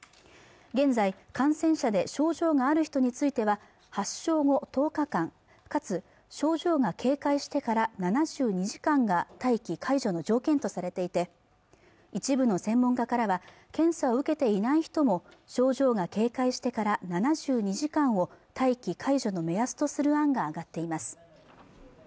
現在感染者で症状がある人については発症後１０日間かつ症状が軽快してから７２時間が待機解除の条件とされていて一部の専門家からは検査を受けていない人も症状が軽快してから７２時間を待機解除の目安とする案が上がっています